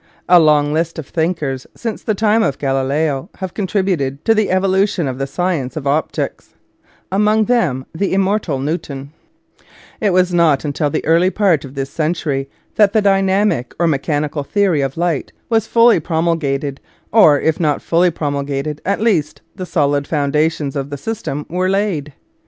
A long list of thinkers since the time of Galileo have contributed to the evolu . i . Original from UNIVERSITY OF WISCONSIN 170 nature's flMraclcs. tion of the science of optics. Among them the immortal Newton. It was not until the early part of this cen tury that the dynamic or mechanical theory of light was fully promulgated, or if not fully promulgated, at least the solid foundations of the system were laid.